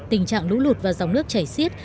tình trạng lũ lụt và dòng nước chảy xiết